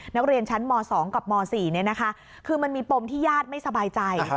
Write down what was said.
นักเรียนชั้นม๒กับม๔คือมันมีปมที่ญาติไม่สบายใจ